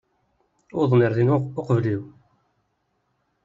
Uwḍen ɣer din uqbel-iw.